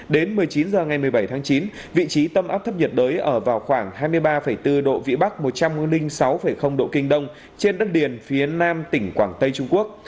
đến một mươi chín h ngày một mươi bảy tháng chín vị trí tâm áp thấp nhiệt đới ở vào khoảng hai mươi ba bốn độ vĩ bắc một trăm linh sáu độ kinh đông trên đất liền phía nam tỉnh quảng tây trung quốc